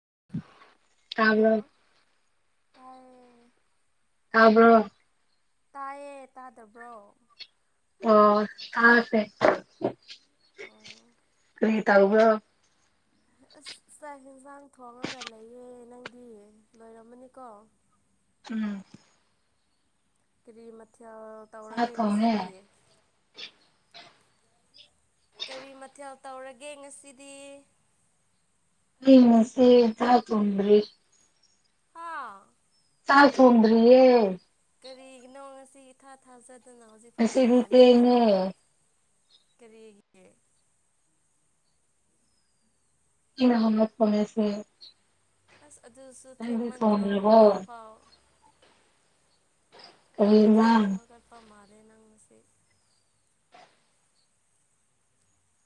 [unintelligible] hello ꯇꯥꯏ ꯇꯕ꯭ꯔꯣ ꯇꯥꯏꯌꯦ ꯇꯥꯗꯕ꯭ꯔꯣ ꯑꯣ ꯇꯥ ꯐꯦ ꯑꯣ ꯀꯔꯤ ꯇ ꯎꯕ ꯑꯁ ꯆꯥꯛ ꯌꯦꯟꯁꯥꯡ ꯊꯣꯡꯉꯒ ꯂꯩꯌꯦ ꯅꯪꯗꯤ ꯂꯣꯏꯔꯝꯃꯅꯤꯀꯣ ꯎꯝ ꯀꯔꯤ ꯃꯊꯦꯜ ꯆꯥꯛ ꯇꯧꯔꯒꯦ ꯊꯣꯡꯉꯦ ꯉꯁꯤꯗꯤ ꯀꯔꯤ ꯃꯊꯦꯜ ꯇꯧꯔꯒꯦ ꯉꯁꯤꯗꯤ ꯃꯤꯟꯅꯁꯦꯗ ꯇꯣꯟꯔꯤ ꯍꯥꯥ ꯌꯥ ꯁꯣꯗꯔꯤꯌꯦ ꯀꯔꯤꯒꯤꯅꯣ ꯉꯁꯤ ꯏꯊꯥ ꯊꯥꯖꯗꯅ ꯍꯧꯖꯤꯛꯐꯥꯎ ꯉꯁꯤꯗꯤ ꯊꯦꯡꯉꯦ ꯊꯣꯡꯉꯝꯗ꯭ꯔꯤꯁꯤꯕꯣ ꯀꯔꯤꯦꯒꯤ ꯏꯅꯍꯃ ꯐꯣꯅꯦꯁꯦ ꯑꯁ ꯑꯗꯨꯁꯨ ꯊꯦꯡꯃꯟꯗ꯭ꯔꯣ ꯑꯩꯐꯥꯎ ꯀꯔꯤ ꯌꯥꯝ ꯏꯟꯖꯥꯡ ꯊꯦꯡꯅ ꯍꯧꯒꯠꯄ ꯃꯥꯜꯂꯦ ꯅꯪ ꯉꯁꯤ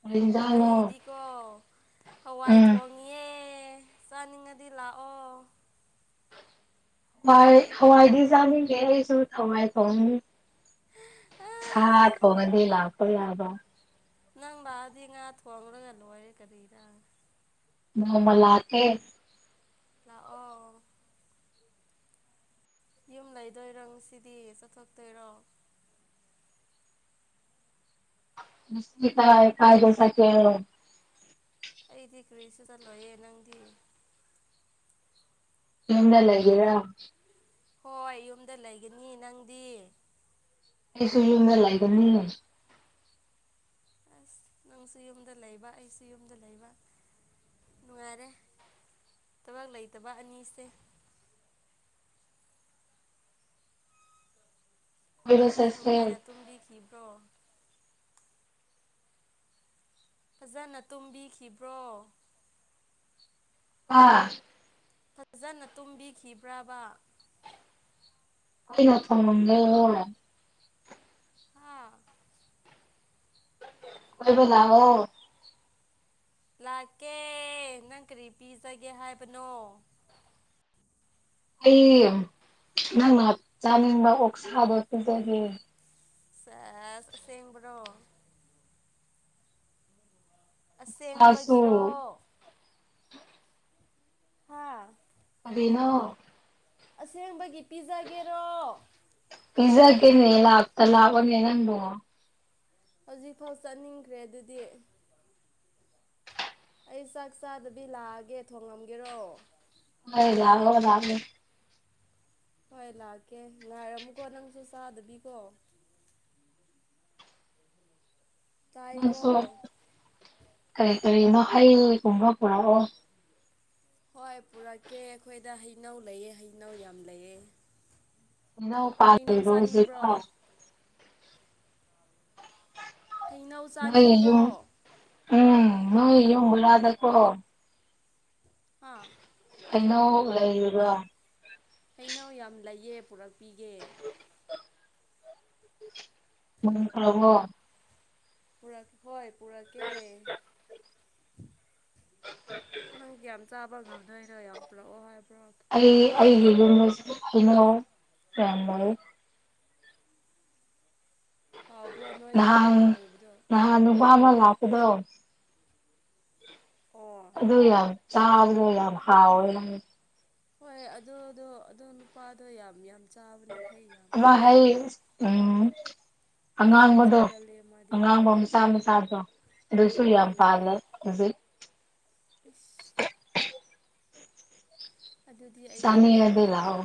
ꯀꯔꯤ ꯏꯟꯖꯥꯡꯅꯣ ꯑꯩꯗꯤꯀꯣ ꯍꯋꯥꯏ ꯎꯝ ꯊꯣꯡꯉꯉꯦ ꯆꯥꯅꯤꯡꯉꯗꯤ ꯂꯥꯛꯑꯣ ꯍꯋꯥꯏ ꯍꯋꯥꯏꯗꯤꯖꯥꯅꯤ ꯀꯦꯁꯨ ꯊꯋꯥꯏ ꯊ ꯁꯥꯥ ꯑꯥ ꯊ ꯃꯗꯤ ꯂꯥꯛꯄꯣꯏ ꯌꯥꯕ ꯅꯪ ꯂꯗꯤ ꯉꯥ ꯊꯣꯡꯉꯒ ꯂꯣꯏꯔꯦ ꯀꯔꯤꯔꯥ ꯃꯃ ꯂꯥꯀꯦ ꯂꯥꯛꯑꯣ ꯌꯨꯝ ꯂꯩꯗꯣꯏꯔꯪ ꯁꯤꯗꯤ ꯆꯠꯊꯣꯛꯇꯣꯏꯔꯣ ꯁ ꯇ ꯀꯥꯏꯗꯦꯁꯥ ꯈꯦꯅꯣ ꯊꯤꯈ꯭ꯔꯦꯁꯨ ꯆꯠꯂꯣꯌꯦꯦ ꯅꯪꯗꯤ ꯍꯟꯅ ꯂꯩꯒꯔꯥ ꯍꯣꯏ ꯌꯨꯝꯗ ꯂꯩꯒꯅꯤ ꯅꯪꯗꯤ ꯑꯩꯁꯨꯨ ꯃ ꯂꯒꯅꯤꯅ ꯑꯁ ꯅꯪꯁꯨ ꯌꯨꯝꯗ ꯂꯩꯕ ꯑꯩꯁꯨ ꯌꯨꯝꯗ ꯂꯩꯕ ꯅꯨꯡꯉꯥꯏꯔꯦ [unintelligible] ꯊꯕꯛ ꯂꯩꯇꯕ ꯑꯅꯤꯁꯦ ꯀꯣꯏꯕ ꯇꯨꯝꯕ ꯆꯠꯁꯦ ꯅꯨꯡꯉꯥꯏꯅ ꯇꯨꯝꯕꯤꯈꯤꯕ꯭ꯔꯣ ꯐꯖꯅ ꯇꯨꯝꯕꯤꯈꯤꯕ꯭ꯔꯣ ꯑꯥ ꯐꯖꯅ ꯇꯨꯝꯕꯤꯈꯤꯕ꯭ꯔꯕ ꯑꯩꯅꯥ ꯊꯣꯡꯂꯝꯂꯦ ꯍꯥꯥ ꯀꯣꯏꯕ ꯂꯥꯀꯑꯣ ꯂꯥꯛꯀꯦ ꯅꯪ ꯀꯔꯤ ꯄꯤꯖꯒꯦ ꯍꯥꯏꯕꯅꯣ ꯑꯩ ꯅꯪꯅ ꯆꯥꯅꯤꯡꯕ ꯑꯣꯛꯁꯥꯗꯣ ꯄꯤꯖꯒꯦ ꯁ ꯁꯦꯡꯕ꯭ꯔꯣ ꯑꯣꯛꯁꯥꯁꯨ ꯑꯁꯦꯡꯕꯒꯤꯔꯣ ꯍꯥꯥ ꯀꯔꯤꯅꯣ ꯑꯁꯦꯡꯕꯒꯤ ꯄꯤꯖꯥꯒꯤꯔꯣ ꯅꯦ ꯂꯥꯛ ꯇ ꯂꯥꯀꯣꯅꯦ ꯅꯪꯕꯣ ꯍꯧꯖꯤꯛꯐꯥꯎ ꯆꯠꯅꯤꯡꯈ꯭ꯔꯦ ꯑꯗꯨꯗꯤ ꯑꯩ ꯆꯥꯛ ꯆꯥꯗꯕꯤ ꯂꯥꯛꯑꯒꯦ ꯊꯣꯡꯉꯝꯒꯦꯔꯣ ꯑ ꯂꯔꯕꯦ ꯍꯣꯏ ꯂꯥꯛꯀꯦ ꯉꯥꯏꯔꯝꯃꯨꯀꯣ ꯅꯪꯁꯨ ꯆꯥꯗꯕꯤꯀꯣ ꯇꯥꯏꯀꯣ ꯅꯪꯁꯨ ꯀꯔꯤ ꯀꯔꯤꯅꯣ ꯍꯩꯒꯨꯝꯕ ꯄꯨꯔꯛꯑꯣ ꯍꯣꯏ ꯄꯨꯔꯛꯀꯦ ꯑꯩꯈꯣꯏꯗ ꯍꯩꯅꯧ ꯂꯩꯑꯦ ꯍꯩꯅꯧ ꯌꯥꯝ ꯂꯩꯑꯦ [unintelligible] ꯍꯨꯖꯤꯛꯄꯣ ꯍꯩꯅꯧ ꯅꯣꯏ ꯆꯥꯅꯤꯡꯕ꯭ꯔꯣ ꯌꯨꯝ ꯎꯝ ꯅꯣꯏ ꯌꯨꯝꯕꯂꯗ ꯀꯣ ꯍꯥ ꯑꯩꯅꯣꯕ ꯍꯩꯅꯧ ꯌꯥꯝ ꯂꯩꯌꯦ ꯄꯨꯔꯛꯄꯤꯒꯦ ꯃ ꯍꯣ ꯄꯨꯔꯥ ꯍꯣꯏ ꯄꯨꯔꯀꯦ ꯅꯪ ꯌꯥꯝ ꯆꯥꯕ ꯉꯝꯗꯣꯏꯔꯣ ꯌꯥꯝ ꯄ꯭ꯔꯛꯑꯣ ꯍꯥꯏꯕ꯭ꯔꯣ ꯑꯩ ꯑꯩꯨ ꯃ ꯍꯅꯍ ꯔ ꯍꯥꯎꯕ꯭ꯔꯣ ꯅꯣꯏꯒꯤ ꯅꯍꯥꯟ ꯍꯩꯅꯧ ꯂꯩꯕꯗꯣ ꯅꯍꯥꯟ ꯅꯨꯕꯥ ꯑꯃ ꯂꯄꯗ ꯑꯣ ꯑꯗꯨꯗ ꯌꯥꯝ ꯆꯥꯎꯕꯗ ꯌꯥꯝ ꯍꯥꯎ ꯑꯣꯏ ꯍꯣꯏ ꯑꯗꯨꯗꯣ ꯑꯣ ꯅꯨꯄꯥꯗꯣ ꯌꯥꯝ ꯌꯥꯝ ꯆꯥꯕꯅꯦ ꯍꯩ ꯌꯥꯝ ꯑꯃ ꯍꯩ ꯄꯥꯝꯕꯅꯦ ꯎꯝ ꯑꯩꯔꯤ ꯌꯥꯝ ꯑꯉꯥꯡꯕꯗꯣ ꯆꯒ ꯂꯩ ꯑꯉꯥꯡꯕ ꯃꯁꯥ ꯃꯁꯥꯗꯣ ꯑꯗꯨꯁꯨ ꯌꯥꯝ ꯄꯥꯜꯂꯦ ꯍꯧꯖꯤꯛ ꯄ ꯑꯗꯨꯗꯤ ꯑꯩꯗꯤ ꯆꯥꯅꯤꯡꯉꯗꯤ ꯄꯥꯝꯗꯦ ꯂꯥꯛꯑꯣ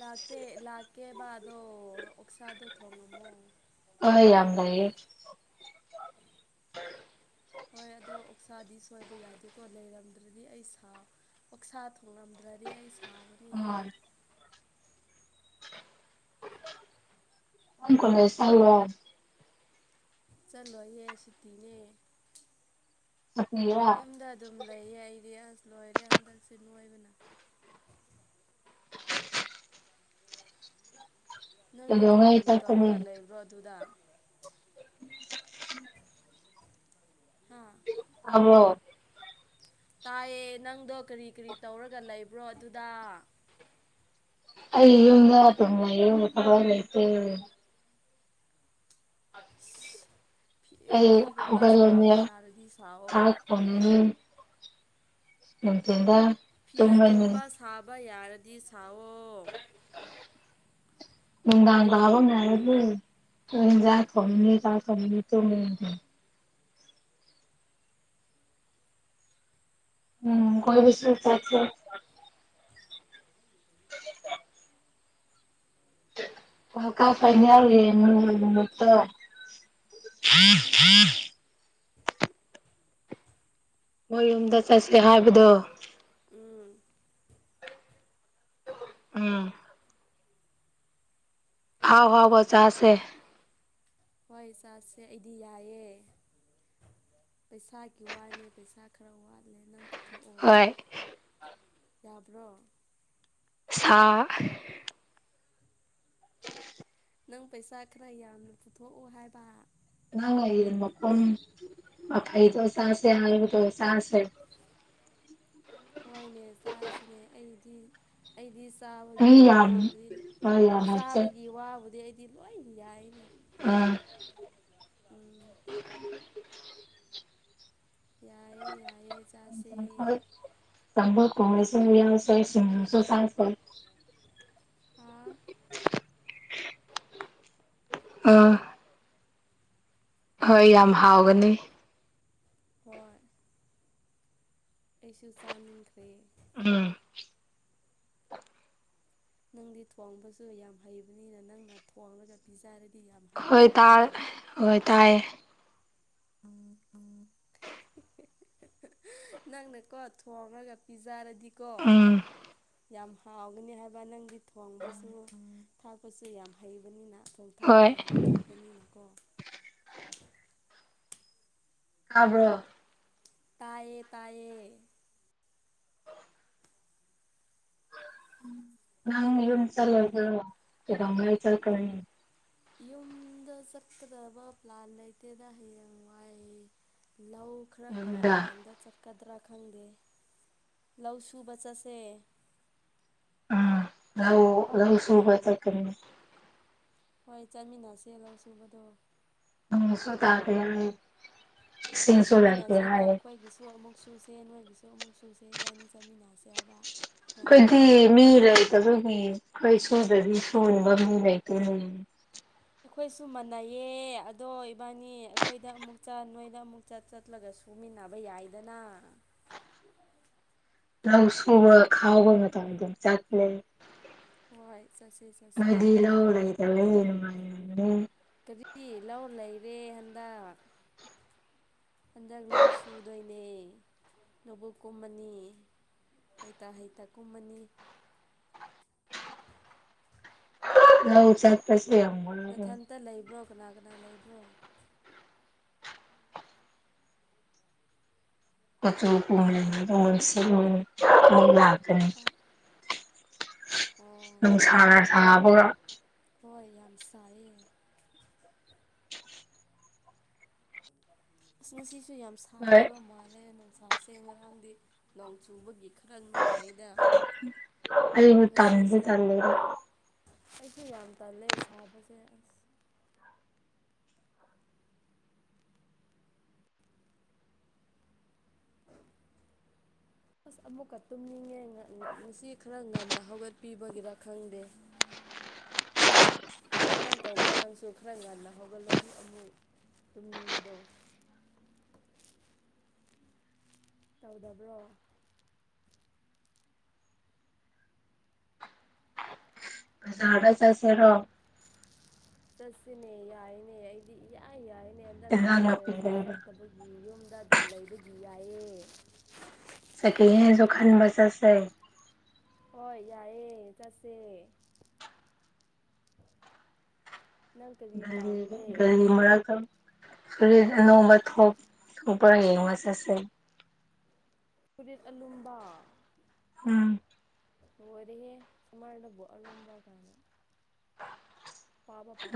ꯂꯥꯛꯇꯦ ꯂꯥꯛꯀꯦꯕꯕꯥꯗꯣ ꯑꯣꯛꯁꯥꯗꯣ ꯊꯣꯡꯉꯝꯃꯣ ꯑ ꯌꯥꯝ ꯂꯩꯌꯦ ꯍꯣꯏ ꯑꯗꯣ ꯑꯣꯛꯁꯥꯗꯤ ꯁꯣꯏꯕ ꯌꯥꯗꯦꯀꯣ ꯂꯩꯔꯝꯗ꯭ꯔꯗꯤ ꯑꯩ ꯑꯣꯛꯁꯥ ꯊꯣꯉꯝꯗ꯭ꯔꯗꯤ ꯑꯩ ꯁꯥꯎꯒꯅꯤꯍꯦ ꯎꯝ ꯀꯟ ꯀꯂꯦ ꯆꯉ ꯆꯠꯂꯣꯌꯦ ꯁꯨꯇꯤꯅꯦ ꯁꯨꯇꯤꯔꯥ ꯌꯨꯝꯗ ꯑꯗꯨꯝ ꯂꯩꯌꯦ ꯑꯩꯗꯤ ꯑꯁ ꯂꯣꯏꯔꯦ ꯍꯟꯗꯛꯁꯦ ꯅꯣꯏꯕꯅ ꯅꯪꯗꯤ ꯀꯔꯤ ꯀꯩꯗꯧꯉꯩ ꯀꯔꯤ ꯆꯠꯀꯅꯤ ꯇꯧꯔꯒ ꯂꯩꯕ꯭ꯔꯣ ꯑꯗꯨꯗ ꯍꯥ ꯑꯣ ꯇꯥꯏꯌꯦ ꯅꯪꯗꯣ ꯀꯔꯤ ꯀꯔꯤ ꯇꯧꯔꯒ ꯂꯩꯕ꯭ꯔꯣ ꯑꯗꯨꯗ ꯑꯩ ꯌꯨꯝꯗ ꯇ ꯌ ꯂꯩꯇ ꯏꯁ ꯐꯤ ꯑꯩ ꯐꯤꯒꯨꯝꯕ ꯍꯧꯕ ꯁꯥꯕ ꯌꯥꯔꯗꯤ ꯆꯥ ꯁꯥꯑꯣ ꯐ ꯏꯇꯗ ꯐꯤꯒꯨꯝꯕ ꯁꯥꯕ ꯌꯥꯔꯗꯤ ꯁꯥꯑꯣ ꯎꯝꯗꯥꯥꯡ ꯂꯕ ꯉ ꯍꯥꯏ ꯑꯗꯨ ꯀ ꯊ ꯀ ꯎꯝ ꯀꯣꯏꯕꯤꯁ ꯆꯦ [inaudible] ꯍ ꯀ ꯐꯅ ꯌꯥꯔꯒꯦꯠꯇ ꯊ ꯊꯥ ꯃꯣꯏ ꯌꯨꯝꯗ ꯆꯠꯁꯦ ꯍꯥꯏꯕꯗꯣ ꯎꯝ ꯎꯝ ꯍꯥꯎ ꯑꯗꯣ ꯍꯥꯎ ꯀꯩꯗ ꯖꯥꯁꯦ ꯍꯣꯏ ꯆꯁꯦ ꯑꯩꯗꯤ ꯌꯥꯏꯑꯦ ꯄꯩꯁꯥꯒꯤ ꯋꯥꯅꯦ ꯄꯩꯁꯥ ꯈꯔ ꯋꯥꯠꯂꯦ ꯅꯪꯊ ꯍ ꯌꯥꯔꯕꯣ ꯁꯥ [inaudible] ꯅꯪ ꯄꯩꯁꯥ ꯈꯔ ꯌꯥꯝꯅ ꯄꯨꯊꯣꯛꯑꯣ ꯍꯥꯏꯕ ꯉ ꯃꯄꯐꯥꯏꯗ ꯆꯁꯦ ꯍꯥꯏꯜ ꯆꯁ ꯎ ꯍꯣꯏꯅꯦ ꯆꯥꯁꯤꯅꯦ ꯑꯩꯗꯤ ꯑꯩꯗꯤ ꯃꯤ ꯆꯥꯕꯒꯤ ꯌꯥꯝ ꯋꯥꯕꯨꯗꯤ ꯍꯣꯏ ꯌꯥꯝ ꯍꯥꯞꯆꯩ ꯆꯥꯕꯒꯤ ꯋꯥꯕꯨꯗꯤ ꯑꯩꯗꯤ ꯂꯣꯏ ꯌꯥꯏꯅꯦ ꯎꯝ ꯎꯝ ꯌꯥꯏꯌꯦ ꯌꯥꯏꯌꯦ ꯆꯥꯁꯦ ꯆꯝꯕꯣ ꯀꯔꯁꯁꯥꯏꯁꯤꯡ ꯁꯁ ꯐ [unintelligible] ꯍꯥ ꯑꯥ ꯍꯣꯏ ꯌꯥꯝ ꯍꯥꯎꯒꯅꯤ ꯍꯣꯏ ꯑꯩꯁꯨ ꯆꯥꯅꯤꯡꯈ꯭ꯔꯦ ꯎꯝ ꯅꯪꯗꯤ ꯊꯣꯡꯕꯁꯨ ꯌꯥꯝ ꯍꯩꯕꯅꯤꯅ ꯅꯪꯅ ꯊꯣꯡꯂꯒ ꯄꯤꯖꯔꯗꯤ ꯌꯥꯝ ꯍꯣꯏ ꯍꯥꯎꯒꯗꯕ ꯇꯥꯏ ꯃꯥꯜꯂꯦ ꯍꯣꯏ ꯇꯥꯏꯦ [inaudible] ꯅꯪꯅꯀꯣ ꯊꯣꯡꯉꯒ ꯄꯤꯖꯥꯔꯗꯤꯀꯣ ꯎꯝ ꯌꯥꯝ ꯍꯥꯎꯒꯅꯤ ꯍꯥꯏꯕ ꯅꯪꯒꯤ ꯊꯣꯡꯕꯁꯨ ꯊꯥꯛꯄꯁꯨ ꯌꯥꯝ ꯍꯩꯕꯅꯤꯅ ꯊꯣꯡ ꯊꯥꯛꯄ ꯍꯣꯏ ꯌꯥꯝ ꯍꯩꯕꯅꯤꯅꯀꯣ ꯈꯕ꯭ꯔꯣ ꯇꯥꯌꯦ ꯇꯥꯌꯦ ꯅꯪ ꯌꯟ ꯆꯂꯒ ꯥꯏ ꯆꯂ ꯀꯅꯤ ꯌꯨꯝꯗ ꯆꯠꯀꯗꯕ ꯄ꯭ꯂꯥꯟ ꯂꯩꯇꯦꯗ ꯍꯌꯦꯡ ꯋꯥꯏ ꯂꯧ ꯈꯔ ꯍꯥꯎꯔ ꯌꯨꯝꯗ ꯀꯥꯟꯗ ꯆꯠꯀꯗ꯭ꯔꯒ ꯈꯪꯗꯦ ꯂꯧ ꯁꯨꯕ ꯆꯠꯁꯦ ꯑꯝ ꯔꯎ ꯔꯎ ꯁꯨꯕ ꯀꯅꯤ ꯍꯣꯏ ꯆꯠꯃꯤꯟꯅꯁꯦ ꯂꯧꯁꯨꯕꯗꯨꯣ ꯎꯝ ꯁꯨ ꯇꯥꯇ ꯌꯥꯔꯦ ꯁꯨꯃꯤꯟꯅꯁꯦꯕ ꯑꯩꯈꯣꯏꯒꯤꯁꯨ ꯑꯃꯨꯛ ꯁꯦ ꯅꯣꯏꯒꯤꯁꯨ ꯑꯃꯨꯛ ꯁꯨꯁꯦ ꯏꯕꯥꯅꯤ ꯆꯠꯃꯤꯟꯅꯁꯦ ꯍꯥꯏꯕ ꯅꯣꯡꯃ ꯀꯗꯤ ꯅꯣꯡꯃ ꯃꯤ ꯂꯩ ꯇꯁꯨꯒꯤ ꯁꯨꯗꯗꯤ ꯁꯣꯅꯕꯝꯅꯤ ꯂꯩꯇ ꯑꯩꯈꯣꯏꯁꯨ ꯃꯥꯟꯅꯩꯌꯦ ꯑꯗꯣ ꯏꯕꯥꯅꯤ ꯑꯩꯈꯣꯏꯗ ꯑꯃꯨꯛ ꯆꯠ ꯅꯣꯏꯗ ꯑꯃꯨꯛ ꯆꯠ ꯆꯠꯂꯒꯁꯨ ꯁꯨꯃꯤꯟꯅꯕ ꯌꯥꯏꯗꯅ ꯂꯧ ꯁꯨꯕꯥ ꯈꯥꯒꯣ ꯈꯥꯎꯕ ꯃꯇꯝ ꯆꯠꯂꯤ ꯍꯣꯏ ꯆꯠꯁꯦ ꯆꯠꯁꯦ ꯌꯥꯏꯑꯦ ꯎꯝ ꯔꯤ ꯂꯧ ꯂꯩꯔꯦ ꯍꯟꯗꯛ ꯍꯟꯗꯛ ꯂꯧ ꯁꯨꯗꯣꯏꯅꯦ ꯂꯧꯕꯨ ꯀꯨꯝꯃꯅꯤ ꯍꯩꯇꯥ ꯍꯩꯇ ꯀꯨꯝꯃꯅꯤ ꯂꯧ ꯆꯠꯄꯁꯤ ꯌꯥꯝꯨꯕꯔꯕ ꯅꯊꯟꯇ ꯂꯩꯕ꯭ꯔꯣ ꯀꯅꯥ ꯀꯅꯥ ꯂꯩꯕ꯭ꯔꯣ ꯀꯆꯣꯟꯁꯤ ꯂꯥꯛꯀꯅꯤ ꯑꯣ ꯅꯨꯡꯁꯥꯅꯥ ꯁꯥꯕꯔꯥ ꯍꯣꯏ ꯌꯥꯝ ꯁꯥꯏꯌꯦ ꯑꯁ ꯉꯁꯤꯁꯨ ꯌꯥꯝ ꯍꯣꯏ ꯁꯥꯒꯗꯕ ꯃꯥꯜꯂꯦ ꯅꯨꯡꯁꯥꯁꯦ ꯉꯔꯥꯡꯗꯤ ꯅꯣꯡ ꯆꯨꯕꯒꯤ ꯈꯔ ꯅꯨꯡꯉꯥꯏꯗ ꯑ ꯇꯗ ꯉꯁꯤꯁꯦ ꯇꯂꯔ ꯑꯩꯁꯨ ꯌꯥꯝ ꯇꯜꯂꯦ ꯁꯥꯕꯁꯦ ꯑꯁ [unintelligible] ꯑꯁ ꯑꯃꯨꯛꯀ ꯇꯨꯝꯅꯤꯡꯉꯦ ꯉꯁꯤ ꯈꯔ ꯉꯟꯅ ꯍꯧꯒꯠꯄꯤꯕꯒꯤꯔ ꯈꯪꯗꯦ ꯍꯧ ꯁꯨꯃꯥꯏꯅ ꯇꯧꯕ꯭ꯔꯥ ꯅꯪꯁꯨ ꯈꯔ ꯉꯟꯅ ꯍꯧꯒꯠꯂꯗꯤ ꯑꯃꯨꯛ ꯇꯨꯝꯅꯤꯡꯕꯗꯣ [unintelligible] ꯇꯧꯗꯕ꯭ꯔꯣ ꯆꯠꯁꯤꯔꯣ ꯆꯠꯁꯤꯅꯦ ꯌꯥꯏꯅꯦ ꯑꯩꯗꯤ ꯏꯌꯥ ꯌꯥꯏꯅꯦ ꯍꯟꯗꯛꯁꯦ ꯏꯟꯖꯥꯡ ꯅꯥꯄꯤ ꯀꯣꯂꯦꯖꯁꯨ ꯂꯩꯕ ꯆꯠꯇꯕꯒꯤ ꯌꯨꯝ ꯗ ꯑꯗꯨꯝ ꯂꯩꯕꯗꯤ ꯌꯥꯏꯌꯦ ꯁꯦꯀꯤꯍꯦꯟꯁꯨ ꯈꯟꯕ ꯆꯠꯁꯦ ꯍꯣꯏ ꯌꯥꯏꯑꯦ ꯆꯠꯁꯦ ꯅꯪ ꯀꯔꯤ ꯄꯥꯝꯒꯦ ꯔꯤꯒꯤ ꯃ ꯀ ꯐꯨꯔꯤ ꯑ ꯅꯣꯡꯝꯕ ꯊꯣꯛ ꯄꯨꯔꯥ ꯌꯦꯡꯕ ꯆꯠꯁꯩ ꯐꯨꯔꯤꯠ ꯑꯂꯨꯝꯕ ꯎꯝ ꯔꯦ ꯁꯃꯥꯥꯟꯂꯕꯨꯣ ꯑꯔꯨꯝꯕ ꯀꯅ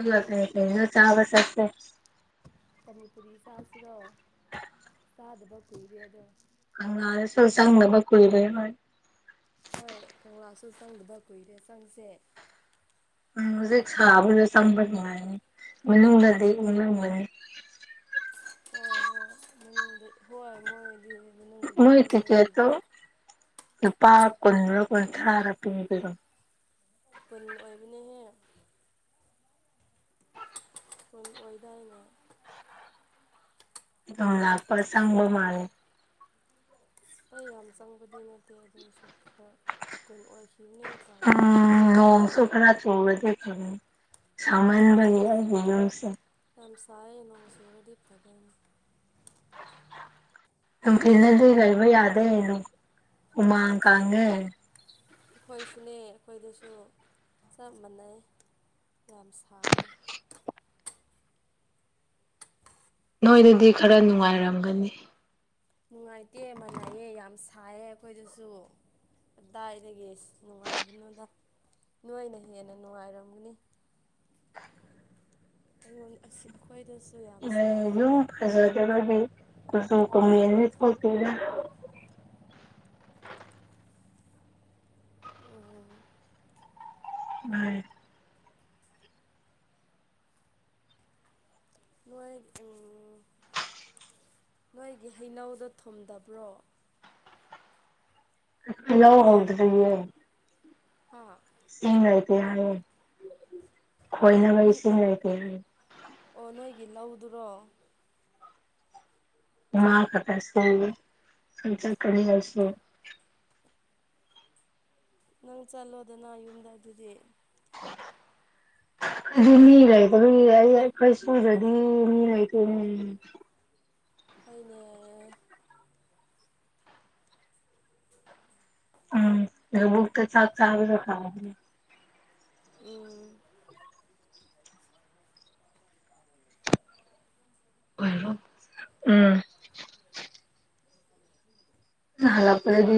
ꯍꯄ ꯅ ꯆꯥꯕꯁꯁꯦ ꯄꯅꯤꯄꯨꯔꯤ ꯆꯥꯁꯤꯔꯣ ꯆꯥꯗꯕ ꯀꯨꯏꯔꯦ ꯑꯗꯣ ꯍꯪꯉ ꯆ ꯆꯪꯅꯕ ꯀꯨꯏꯕ ꯍꯣꯏ ꯀꯪꯂꯥꯁꯨ ꯆꯪꯗꯕ ꯀꯨꯏꯔꯦ ꯆꯪꯁꯦ ꯁꯥꯦ ꯁꯝꯕ ꯃꯅꯨꯡꯗꯗꯤ ꯃꯅꯨꯡꯗꯒꯅꯤ ꯍꯣꯏ ꯍꯣꯏꯉ ꯍꯣꯏ ꯃꯣꯏꯗꯤ ꯃꯅꯨꯡꯗꯗꯤ ꯃꯣꯏ ꯇ ꯏꯪꯕꯅꯤꯅ ꯀꯦꯇ ꯏꯄꯥ ꯈꯨꯅ ꯀꯣꯏ ꯑꯔ ꯄ ꯄꯨꯟ ꯑꯣꯏꯕꯅꯦꯍꯦ ꯑꯩꯣꯏ ꯑꯣꯏꯗꯥꯏꯅꯦ ꯊ ꯂꯥꯥꯛ ꯄꯔꯁꯕ ꯃꯥꯔ ꯄꯩ ꯌꯥꯝ ꯆꯪꯕꯨꯗꯤꯅ ꯅꯠꯇꯦ ꯑꯗꯨꯒꯤꯁꯨ ꯈꯔ ꯀꯨꯏꯟ ꯑꯣꯏꯈꯤꯕꯅꯦ ꯀꯥꯎꯗꯤ ꯀꯥꯎꯊꯣꯛꯈ꯭ꯔꯦ ꯆꯧꯒꯗ ꯈꯕꯅꯤ ꯁꯃꯥꯏꯚꯒꯤꯖꯁꯦ ꯆꯔꯅꯣꯡ ꯁꯨꯔꯗꯤ ꯄ꯭ꯔꯗꯅꯤ ꯅꯝ ꯀꯟꯅꯗꯤ ꯀꯩꯕ ꯌꯥꯗꯦ ꯎꯃꯥꯡ ꯀꯥꯡꯉꯦ ꯑꯩꯈꯣꯏꯁꯨꯅꯦ ꯑꯩꯈꯣꯏꯗꯁꯨ ꯆꯞ ꯃꯥꯟꯅꯩ ꯌꯥꯝ ꯁꯥꯏ ꯅꯣꯏꯗꯗꯤ ꯈꯔ ꯅꯨꯡꯉꯥꯏꯔꯝꯒꯅꯤ ꯅꯨꯡꯉꯥꯏꯇꯦ ꯃꯅꯥꯏꯌꯦ ꯌꯥꯝ ꯁꯥꯏꯌꯦ ꯑꯩꯈꯣꯏꯗꯁꯨ ꯑꯗꯨꯗꯥꯏꯗꯒꯤ ꯅꯨꯡꯉꯥꯏꯕꯅꯣꯗ ꯅꯣꯏꯅ ꯍꯦꯟꯅ ꯅꯨꯡꯉꯥꯏꯔꯝꯒꯅꯤ ꯑꯩꯉꯣꯟ ꯑꯁꯤ ꯑꯩꯈꯣꯏꯗꯁꯨ ꯌꯥꯝ ꯌ ꯁꯥꯏ ꯐꯩꯁ ꯀꯦ ꯀꯕꯤ ꯀꯁꯨ ꯀ ꯊꯣꯛꯇ ꯎꯝ ꯎꯝ ꯅ ꯅꯣꯏꯒꯤ ꯍꯩꯅꯧꯗ ꯊꯨꯝꯗꯕ꯭ꯔꯣ ꯂ ꯍꯧꯗꯌꯦ ꯍꯥ ꯁꯤꯦꯡꯥꯏꯇ ꯍꯥꯏ ꯈꯣꯏꯅꯕ ꯃꯤ ꯏꯁꯤꯡ ꯂꯩꯇꯦ ꯒꯤꯜꯍꯧꯗꯨꯔꯣ ꯃꯥ ꯀꯥꯁꯦ ꯀꯅꯤ ꯑꯣ ꯅꯪ ꯆꯠꯂꯣꯗꯅ ꯌꯨꯝꯗ ꯑꯗꯨꯗꯤ [unintelligible] ꯑꯗꯨ ꯃꯤ ꯂꯩꯗ ꯑꯩ ꯑꯩꯈꯣꯏ ꯁꯨꯔꯗꯗꯤ ꯃꯤ ꯂꯩꯇꯣꯏꯅꯤ ꯑꯩꯣꯏꯅꯦ ꯎꯝꯕꯨꯛ ꯆ ꯆꯥ ꯎꯝ ꯑꯣꯏꯔꯣ ꯎꯝ ꯂꯄꯦ ꯑꯗꯨ